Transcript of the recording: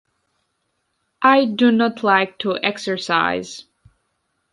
I do not like to exercise.